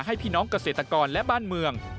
ให้พี่น้องเกษตรกรและบ้านเมือง